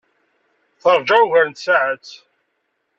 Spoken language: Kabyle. Teṛja ugar n tsaɛet.